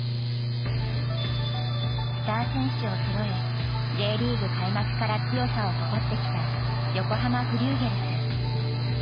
スター選手をそろえＪリーグ開幕から強さを誇ってきた横浜フリューゲルス。